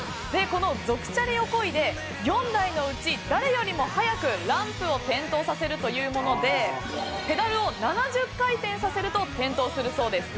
族チャリをこいで４台のうち誰よりも早くランプを点灯させるというものでペダルを７０回転させると点灯するそうです。